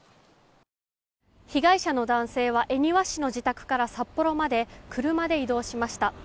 被害者の男性は恵庭市の自宅から札幌まで車で移動しました。